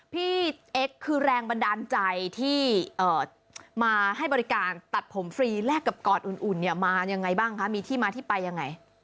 พี่เอ็กซ์คือแรงบันดาลใจที่มาให้บริการตัดผมฟรีแลกกับกอดอุ่นเนี่ยมายังไงบ้างคะมีที่มาที่ไปยังไง